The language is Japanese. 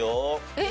えっ？